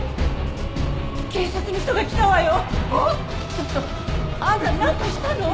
ちょっと！あんたなんかしたの？